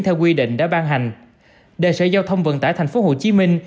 theo quy định đã ban hành đề sở giao thông vận tải thành phố hồ chí minh